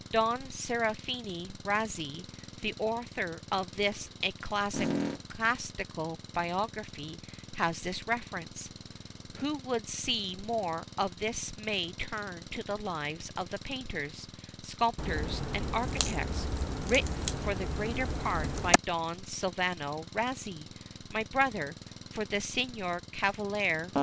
Don Serafini Razzi, the author of this ecclesiastical biography, has this reference: "Who would see more of this may turn to the Lives of the Painters, Sculptors, and Architects, written for the greater part by Don Silvano Razzi, my brother, for the Signor Cavaliere M.